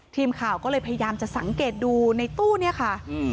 ทีมข่าวก็เลยพยายามจะสังเกตดูในตู้เนี่ยค่ะ